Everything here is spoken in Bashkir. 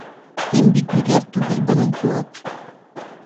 Һин бит йүләр түгел бының кеүек!